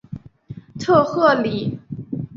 特赫里。